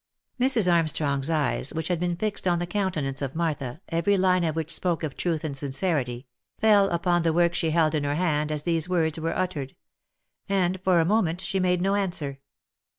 Mrs. Armstrong's eyes which had been fixed on the countenance of Martha, every line of which spoke of truth and sincerity, fell upon the work she held in her hand as these words were uttered — and for a moment she made no answer.